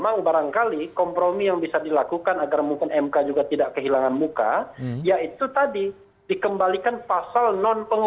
nah inilah yang kemudian